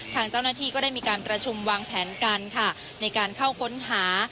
ทางเจ้าหน้าที่ก็ได้มีการประชุมวางแผนกันค่ะในการเข้าค้นหา